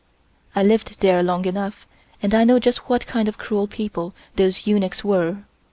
I lived there long enough, and I know just what kind of cruel people those eunuchs were.